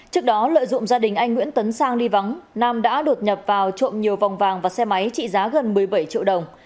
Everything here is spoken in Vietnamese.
trước đó lợi dụng gia đình anh nguyễn tấn sang đi vắng nam đã đột nhập vào trộm nhiều vòng vàng và xe máy trị giá gần một mươi bảy triệu đồng